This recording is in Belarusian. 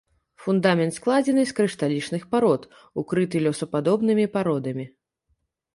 Фундамент складзены з крышталічных парод, укрыты лёсападобнымі пародамі.